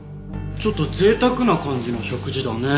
ちょっと贅沢な感じの食事だね。